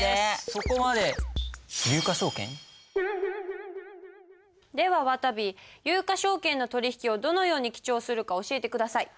そこまでではわたび有価証券の取引をどのように記帳するか教えて下さい。